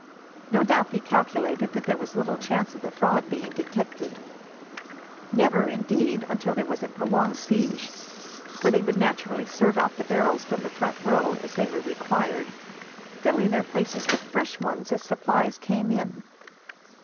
No doubt, they calculated that there was little chance of the fraud being detected never, indeed, until there was a prolonged siege for they would naturally serve out the barrels from the front row, as they were required, filling their places with fresh ones as supplies came in."